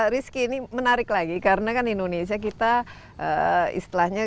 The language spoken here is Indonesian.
rizky ini menarik lagi karena kan indonesia kita istilahnya